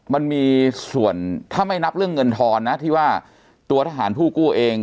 มันมีส่วนถ้าไม่นับเรื่องเงินทอนนะที่ว่าตัวทหารผู้กู้เอง